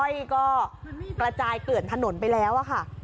อ้อยก็กระจายเกลื่อนถนนไปแล้วค่ะ